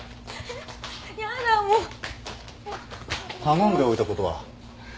頼んでおいたことは？